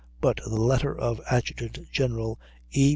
But the letter of Adjutant General E.